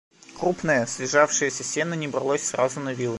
Крупное, слежавшееся сено не бралось сразу на вилы.